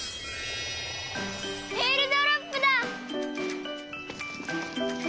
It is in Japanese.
えーるドロップだ！